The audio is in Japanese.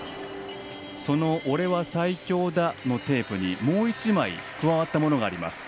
その「オレは最強だ！」のテープにもう１枚加わったものがあります。